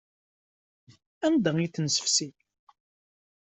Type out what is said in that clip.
Anda ay ten-tessefsimt?